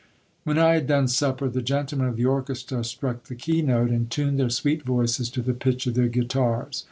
When I had done supper, the gentlemen of the orchestra st ruck the key note, and tuned their sweet voices to the pitch of their guitars.